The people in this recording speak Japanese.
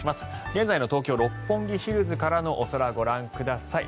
現在の東京・六本木ヒルズからのお空ご覧ください。